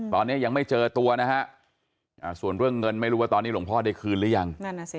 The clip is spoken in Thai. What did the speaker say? ตอนนี้ยังไม่เจอตัวนะฮะส่วนเรื่องเงินไม่รู้ว่าตอนนี้หลวงพ่อได้คืนหรือยัง